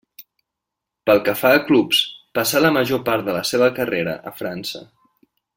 Pel que fa a clubs, passà la major part de la seva carrera a França.